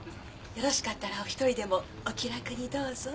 よろしかったらお一人でもお気楽にどうぞ。